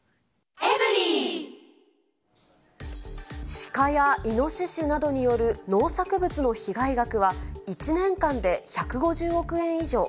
シカやイノシシなどによる、農作物の被害額は、１年間で１５０億円以上。